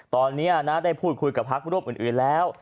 ตอนนี้นะได้พูดคุยกับพักร่วมอื่นแล้ว